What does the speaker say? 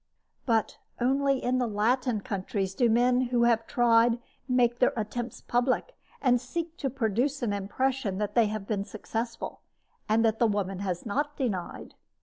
But only in the Latin countries do men who have tried make their attempts public, and seek to produce an impression that they have been successful, and that the woman has not denied.